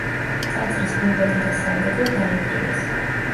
ტაძრის გუმბათი და სამრეკლო დაანგრიეს.